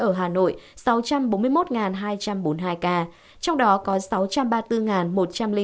ở hà nội sáu trăm bốn mươi một hai trăm bốn mươi hai ca trong đó có sáu trăm ba mươi bốn một trăm linh bốn ca